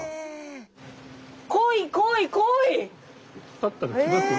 立ったら来ますよ。